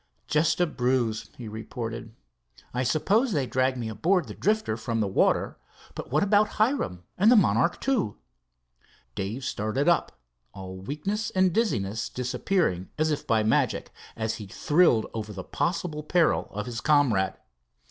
"Just a bruise," he reported. "I suppose they, dragged me aboard of the Drifter from the water, but what about Hiram and the Monarch II?" Dave started up, all weakness and dizziness disappearing as if by magic, as he thrilled over the possible peril of his comrade.